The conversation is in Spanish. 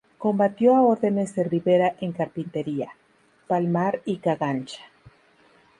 Combatió a órdenes de Rivera en Carpintería, Palmar y Cagancha.